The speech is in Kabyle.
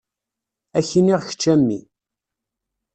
Ad k-iniɣ kečč a mmi.